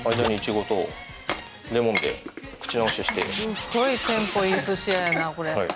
すっごいテンポいい寿司屋やなこれ。